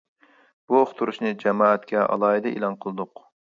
بۇ ئۇقتۇرۇشنى جامائەتكە ئالاھىدە ئېلان قىلدۇق.